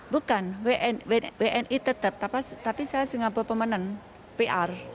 bukan wni tetap tapi saya singapura pemenang pr